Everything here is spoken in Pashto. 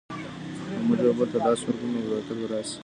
که موږ یو بل ته لاس ورکړو نو برکت به راسي.